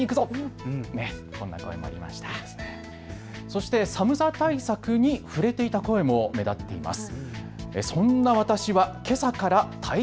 そして寒さ対策に触れていた声も目立っています。